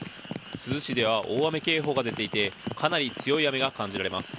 珠洲市では大雨警報が出ていてかなり強い雨が感じられます。